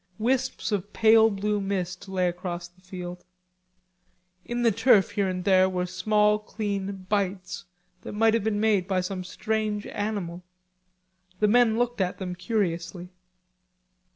Wisps of pale blue mist lay across the field. In the turf here and there were small clean bites, that might have been made by some strange animal. The men looked at them curiously.